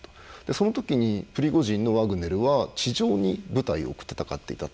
その時にプリゴジンのワグネルは地上に部隊を送って戦っていた。